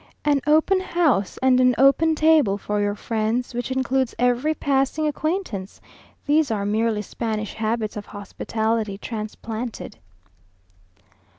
An open house and an open table for your friends, which includes every passing acquaintance; these are merely Spanish habits of hospitality transplanted.